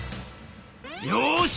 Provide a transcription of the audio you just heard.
「よし！